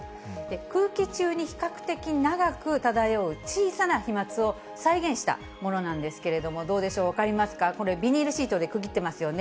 空気中に比較的長く漂う小さな飛まつを再現したものなんですけれども、どうでしょう、分かりますか、これ、ビニールシートで区切ってますよね。